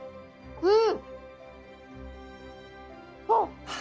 うん。